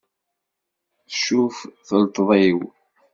Tcuf telteṭ-iw.